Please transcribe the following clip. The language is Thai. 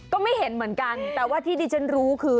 ก็ไม่เห็นเหมือนกันแต่ว่าที่ดิฉันรู้คือ